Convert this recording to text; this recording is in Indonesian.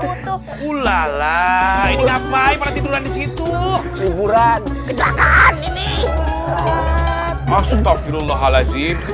utuh ulala ini ngapain tiduran di situ huburan kedekaan ini